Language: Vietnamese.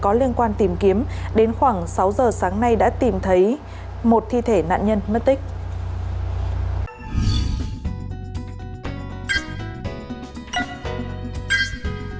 có liên quan tìm kiếm đến khoảng sáu giờ sáng nay đã tìm thấy một thi thể nạn nhân mất tích